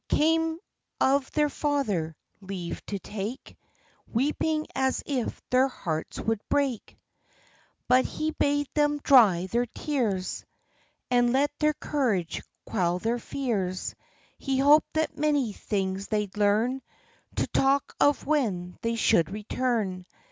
Came of their father leave to take, Weeping as if their hearts would break; THE LIFE AND ADVENTURES But he bade them dry their tears, And let their courage quell their fears. He hoped that many things they'd learn, To talk of when they should return.